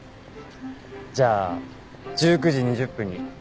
じゃあ１９時２０分に劇場で。